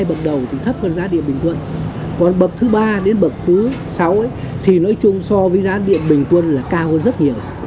bậc đầu thì thấp hơn giá điện bình quân còn bậc thứ ba đến bậc thứ sáu thì nói chung so với giá điện bình quân là cao hơn rất nhiều